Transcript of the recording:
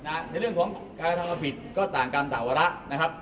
ในเรื่องของการกระทำความผิดก็ต่างกรรมต่างวาระนะครับ